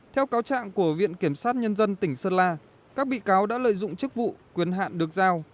theo cáo trạng của viện kiểm sát nhân dân tỉnh sơn la các bị cáo đã lợi dụng chức vụ quyền hạn được giao